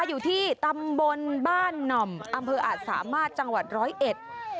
อยู่ที่ตำบลบ้านหน่อมอำเภออาจสามารถจังหวัดร้อยเอ็ด